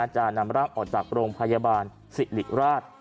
จะนำร่างออกจากโรงพยาบาลสิริราช